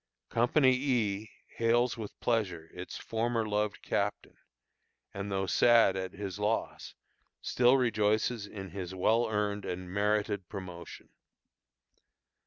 Company E hails with pleasure its former loved captain, and though sad at his loss, still rejoices in his well earned and merited promotion.